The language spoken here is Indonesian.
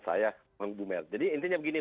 saya bang bumel jadi intinya begini